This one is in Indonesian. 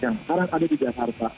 yang sekarang ada di jakarta